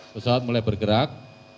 pesawat mulai bergerak